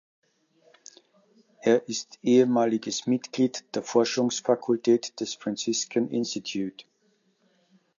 Er ist ehemaliges Mitglied der Forschungsfakultät des "Franciscan Institute".